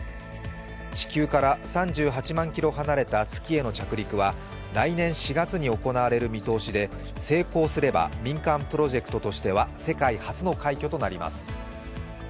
地球から３８万キロ離れた月への着陸は来年４月に行われる見通しで成功すれば民間プロジェクトとしては世界初の快挙となります。